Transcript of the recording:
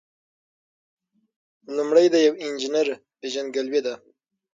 لومړی د یو انجینر پیژندګلوي ده.